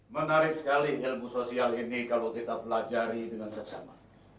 menarik sekali ilmu sosial ini kalau kita pelajari dengan seksama